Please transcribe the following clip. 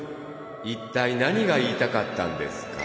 一体何が言いたかったんですか？